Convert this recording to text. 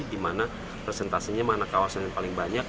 di mana presentasenya mana kawasan yang paling banyak